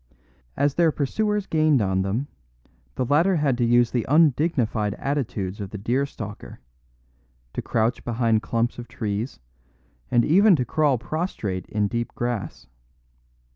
As their pursuers gained on them, the latter had to use the undignified attitudes of the deer stalker, to crouch behind clumps of trees and even to crawl prostrate in deep grass.